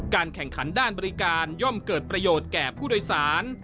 แข่งขันด้านบริการย่อมเกิดประโยชน์แก่ผู้โดยสาร